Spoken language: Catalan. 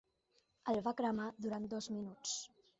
El va cremar durant dos minuts.